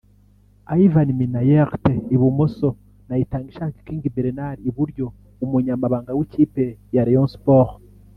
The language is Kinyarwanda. Ivan Minaert (Ibumoso) na Itangishaka King Bernard (Iburyo) umunyamabanga w'ikipe ya Rayon Sports